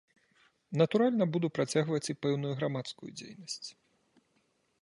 Натуральна, буду працягваць і пэўную грамадскую дзейнасць.